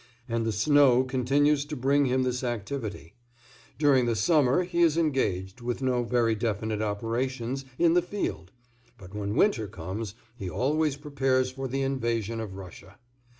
And the snow continues to bring him this activity; during the summer, he is engaged, with no very definite operations, in the field, but when winter comes he always prepares for the invasion of Russia.